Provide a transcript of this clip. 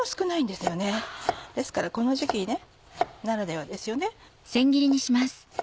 ですからこの時期ならではですよね。